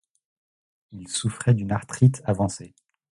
Il souffrait d'une arthrite avancée.